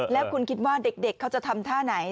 แล้วคุณคิดว่าเด็กเขาจะทำท่าไหน